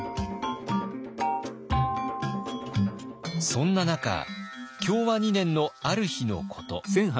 そんな中享和２年のある日のこと。